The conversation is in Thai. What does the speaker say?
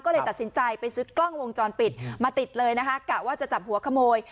ก็เลยตัดสินใจไปซื้อกล้องวงจรปิดมาติดเลยนะคะกะว่าจะจับหัวขโมย